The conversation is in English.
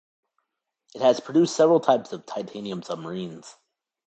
It has produced several types of titanium submarines.